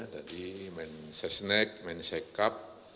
tadi men sesnek men sekap